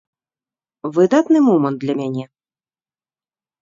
Выдатны момант для мяне.